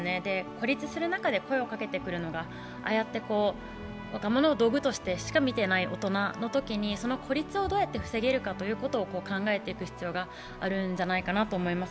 孤立する中で声をかけてくるのがああやって若者を道具としてしか見ていない大人のときにその孤立をどうやって防げるかを考えていく必要があるんじゃないかと思います。